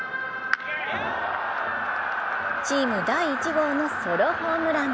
チーム第１号のソロホームラン。